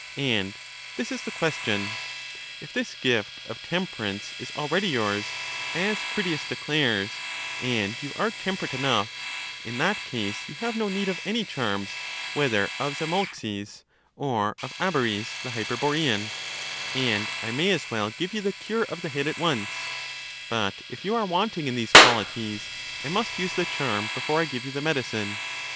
And this is the question: if this gift of temperance is al ready yours, as Critias declares, gind you are tem perate enough, in that case you have no need of any charms, whether of Zamolxis, or of Abaris the Hyper borean, and I may as well give you the cure of the head at once ; but if you are wanting in these quahties, I must use the charm before I give you the medicine.